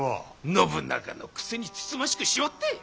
信長のくせにつつましくしおって！